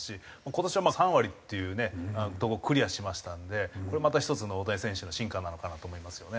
今年は３割っていうとこをクリアしましたのでこれもまた一つの大谷選手の進化なのかなと思いますよね。